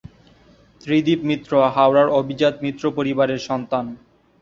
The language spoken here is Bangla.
ত্রিদিব মিত্র হাওড়ার অভিজাত মিত্র পরিবারের সন্তান।